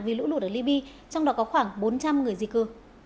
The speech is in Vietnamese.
vì lũ lụt ở liby trong đó có khoảng bốn trăm linh người di cư